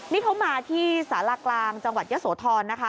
นี่เขามาที่สารากลางจังหวัดยะโสธรนะคะ